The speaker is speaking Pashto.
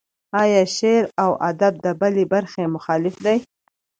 ایا شعر و ادب د بلې برخې مخالف دی.